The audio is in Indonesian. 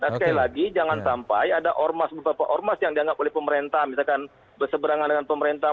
dan sekali lagi jangan sampai ada ormas beberapa ormas yang dianggap oleh pemerintah misalkan berseberangan dengan pemerintah